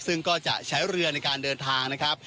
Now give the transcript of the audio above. ซึ่งก็จะใช้เรือในการเดินทางนะครับ